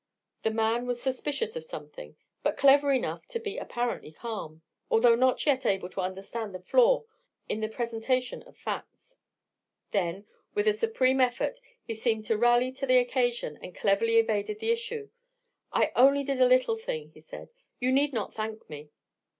The man was suspicious of something, but clever enough to be apparently calm, although not yet able to understand the flaw in the presentation of facts. Then with a supreme effort he seemed to rally to the occasion, and cleverly evaded the issue. "I only did a little thing," he said, "you need not thank me."